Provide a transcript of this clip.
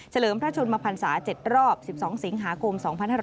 ลิมพระชนมพันศา๗รอบ๑๒สิงหาคม๒๕๕๙